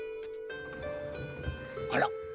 あら？